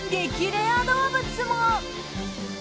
レア動物も。